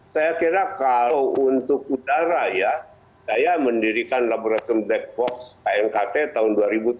saya kira kalau untuk udara ya saya mendirikan laboratorium black box knkt tahun dua ribu tujuh belas